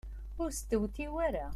Ur stewtiw ara.